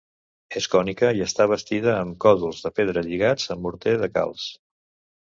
És cònica i està bastida amb còdols de pedra lligats amb morter de calç.